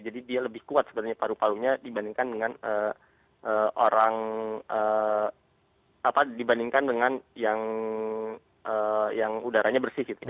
jadi dia lebih kuat sebenarnya paru parunya dibandingkan dengan orang apa dibandingkan dengan yang udaranya bersih gitu ya